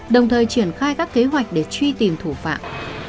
đồng thời triển khai các kế hoạch để truy tìm thủ phạm